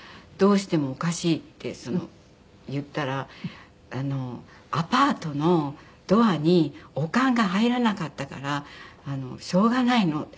「どうしてもおかしい」って言ったら「アパートのドアにお棺が入らなかったからしょうがないの。